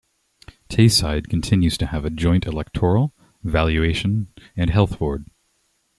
Tayside continues to have a joint electoral, valuation, and health board.